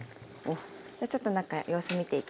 じゃちょっと中様子見ていきますね。